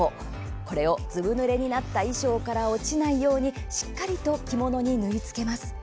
これを、ずぶぬれになった衣装から落ちないようにしっかりと着物に縫い付けます。